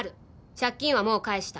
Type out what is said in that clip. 「借金はもう返した！